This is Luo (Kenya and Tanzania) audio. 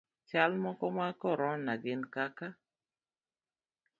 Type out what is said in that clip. Chal moko mag korona gin kaka;